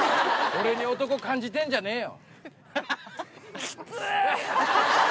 俺に男感じてんじゃねえよ。